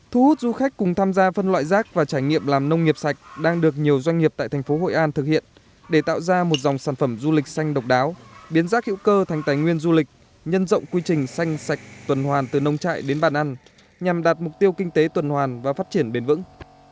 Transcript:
thu hút du khách cùng tham gia phân loại rác và trải nghiệm làm nông nghiệp sạch đang được nhiều doanh nghiệp tại thành phố hội an thực hiện để tạo ra một dòng sản phẩm du lịch xanh độc đáo biến rác hữu cơ thành tài nguyên du lịch nhân rộng quy trình xanh sạch tuần hoàn từ nông trại đến bàn ăn nhằm đạt mục tiêu kinh tế tuần hoàn và phát triển bền vững